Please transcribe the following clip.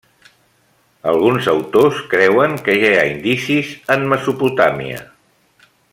Alguns autors creuen que ja hi ha indicis en Mesopotàmia.